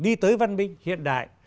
đi tới văn minh hiện đại